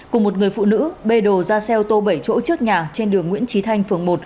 cùng một người phụ nữ bê đồ ra xe ô tô bảy chỗ trước nhà trên đường nguyễn trí thanh phường một